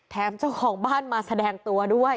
เจ้าของบ้านมาแสดงตัวด้วย